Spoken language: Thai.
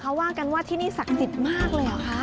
เขาว่ากันว่าที่นี่ศักดิ์สิทธิ์มากเลยเหรอคะ